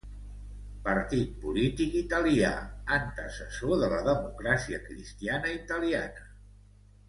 Partit polític italià, antecessor de la Democràcia Cristiana Italiana.